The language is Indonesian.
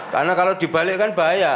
karena kalau dibalik kan bahaya